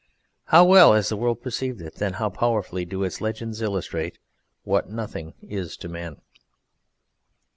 How well has the world perceived it and how powerfully do its legends illustrate what Nothing is to men!